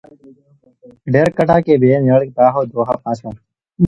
ڈیرا کَٹھا کے بے نیڑے تھا دوہاں پاساں